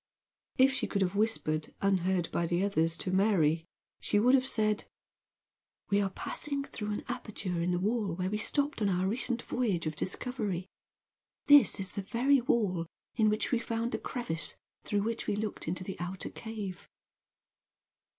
If she could have whispered, unheard by others, to Mary, she would have said: "We are passing through an aperture in the wall where we stopped on our recent voyage of discovery. This is the very wall in which we found the crevice through which we looked into the outer cave."